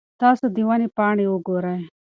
تاسو د ونې پاڼې وګورئ.